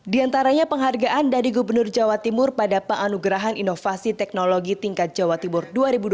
di antaranya penghargaan dari gubernur jawa timur pada penganugerahan inovasi teknologi tingkat jawa timur dua ribu dua puluh